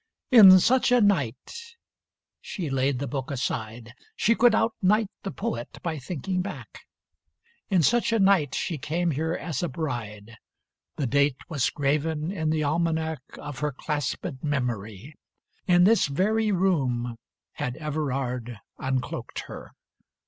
XXII "In such a night " she laid the book aside, She could outnight the poet by thinking back. In such a night she came here as a bride. The date was graven in the almanack Of her clasped memory. In this very room Had Everard uncloaked her.